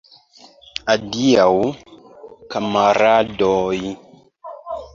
Adiaŭ, kamaradoj!